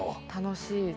楽しい。